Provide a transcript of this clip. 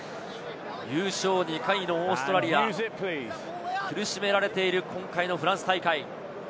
優勝２回のオーストラリア、苦しめられている今回のフランス大会。